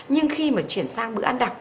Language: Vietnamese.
nhưng khi mà chuyển sang bữa ăn đặc